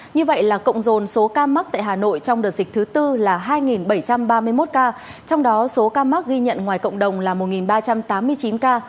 như vậy là cộng dồn số ca mắc tại hà nội trong đợt dịch thứ tư là hai bảy trăm ba mươi một ca trong đó số ca mắc ghi nhận ngoài cộng đồng là một ba trăm tám mươi chín ca